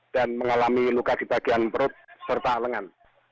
dan mengalami luka di bagian perut serta lengan